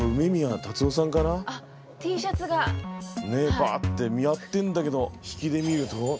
バッてやってんだけど引きで見ると。